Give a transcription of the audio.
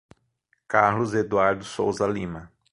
Carlos Eduardo Souza Lima